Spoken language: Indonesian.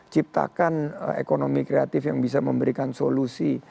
ciptakan ekonomi kreatif yang bisa memberikan solusi